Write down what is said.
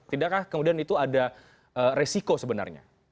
tidakkah kemudian itu ada resiko sebenarnya